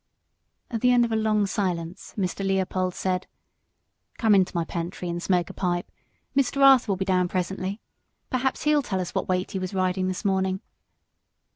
At the end of a long silence Mr. Leopold said "Come into my pantry and smoke a pipe. Mr. Arthur will be down presently. Perhaps he'll tell us what weight he was riding this morning."